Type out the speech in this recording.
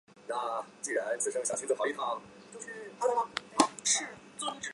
涅韦尔村委员会是俄罗斯联邦阿穆尔州斯科沃罗季诺区所属的一个村委员会。